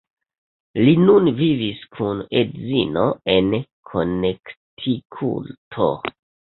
Li nun vivis kun edzino en Konektikuto.